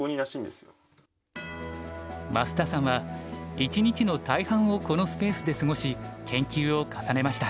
増田さんは一日の大半をこのスペースで過ごし研究を重ねました。